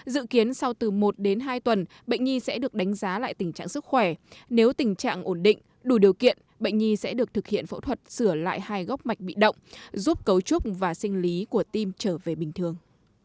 dự kiến sau từ một đến hai tuần bệnh nhi sẽ được đánh giá lại tình trạng sức khỏe nếu tình trạng ổn định đủ điều kiện bệnh nhi sẽ được thực hiện phẫu thuật sửa lại hai góc mạch bị động giúp cấu trúc và sinh lý của tim trở về bình thường